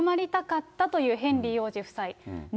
これに泊まりたかったというヘンリー王子夫妻。